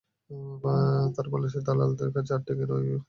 তাঁরা বাংলাদেশের দালালদের কাছে আট থেকে নয় হাজার রিয়ালে ভিসা বিক্রি করে।